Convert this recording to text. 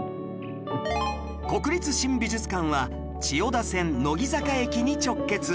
国立新美術館は千代田線乃木坂駅に直結